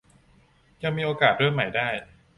ยังมีโอกาสเริ่มใหม่ได้